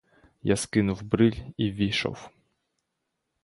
Я скинув бриль і ввійшов.